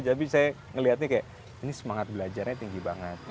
tapi saya ngelihatnya kayak ini semangat belajarnya tinggi banget